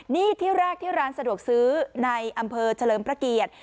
นี่ที่แรกที่ร้านสะดวกซื้อในอำเภอเฉลิมพระเกียรติ